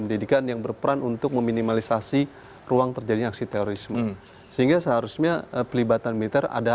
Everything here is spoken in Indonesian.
pendidikan yang berperan untuk meminimalisasi ruang terjadinya aksi terorisme sehingga seharusnya